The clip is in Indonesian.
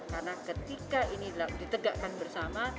karena ketika ini ditegakkan bersama